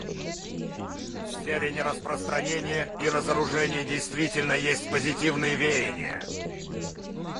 В сфере нераспространения и разоружения действительно есть позитивные веяния.